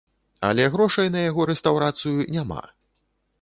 Але грошай на яго рэстаўрацыю няма.